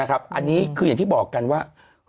อันนี้คืออย่างที่บอกกันว่า